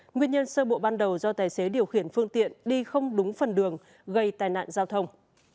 nguyên nhân sơ bộ ban đầu do tài xế điều khiển phương tiện đi không đúng phần đường gây tai nạn giao thông